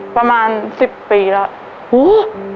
ประมาณ๑๐ปีแล้ว